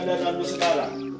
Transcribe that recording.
jadianmu sed kra